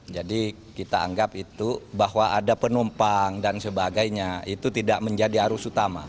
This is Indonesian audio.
jadi kita anggap itu bahwa ada penumpang dan sebagainya itu tidak menjadi arus utama